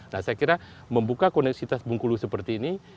nah saya kira membuka koneksitas bung kulu seperti ini